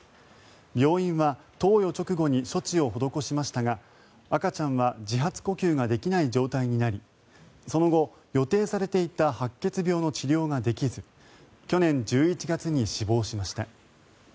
病院は投与直後に処置を施しましたが赤ちゃんは自発呼吸ができない状態になりその後、予定されていた白血病の治療ができず去年１１月に死亡しました。